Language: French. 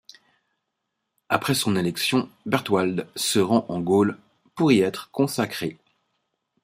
Après son élection, Berhtwald se rend en Gaule pour y être consacré.